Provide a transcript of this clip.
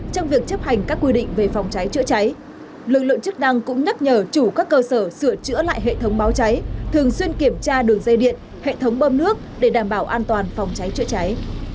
trong việc chấp hành các quy định về phòng cháy chữa cháy lực lượng chức năng cũng nhắc nhở chủ các cơ sở sửa chữa lại hệ thống báo cháy thường xuyên kiểm tra đường dây điện hệ thống bơm nước để đảm bảo an toàn phòng cháy chữa cháy